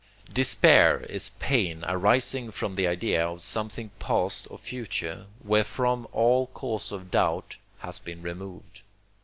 Despair is pain arising from the idea of something past or future, wherefrom all cause of doubt has been removed.